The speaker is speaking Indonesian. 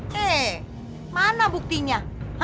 hei mana buktinya